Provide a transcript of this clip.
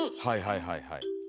はいはいはいはい。